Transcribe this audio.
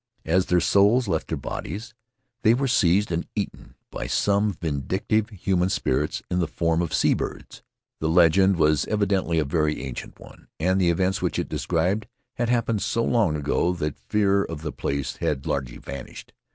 As their souls left their bodies they were seized and eaten by some vindictive human spirits in the form of sea birds. The legend was evidently a very ancient one, and the events which it described had happened so long ago that fear of the place had largely vanished.